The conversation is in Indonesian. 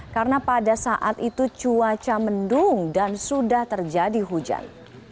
karena pada saat itu cuaca mendung dan sudah terjadi hujan